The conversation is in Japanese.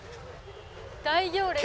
大行列だ。